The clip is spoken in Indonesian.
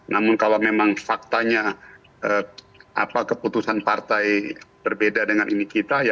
namun kalau memang faktanya keputusan partai berbeda dengan ini kita